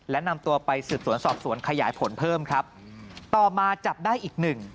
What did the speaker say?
และนำตัวไปสืบสวนสอบสวนขยายผลเพิ่มครับต่อมาจับได้อีกหนึ่ง